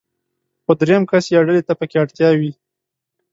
خو درېم کس يا ډلې ته پکې اړتيا وي.